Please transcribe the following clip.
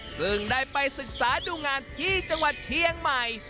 ซึ่งได้ไปศึกษาดูงานที่จังหวัดเชียงใหม่